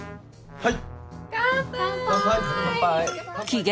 はい！